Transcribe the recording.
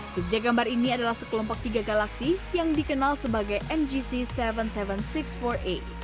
subjek gambar ini adalah sekelompok tiga galaksi yang dikenal sebagai ngc tujuh ribu tujuh ratus enam puluh empat a